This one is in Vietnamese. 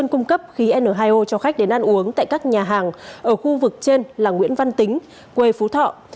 cung cấp khí n hai o cho khách đến ăn uống tại các nhà hàng ở khu vực trên là nguyễn văn tính quê phú thọ